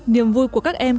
niềm vui của các em trong